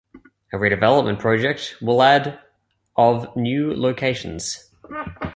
A redevelopment project will add of new locations.